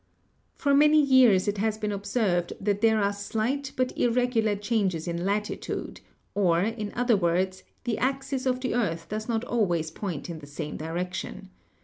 For many years it has been observed that there are slight but irregular changes in latitude, or, in other words, the axis of the earth does not always point in the same direction.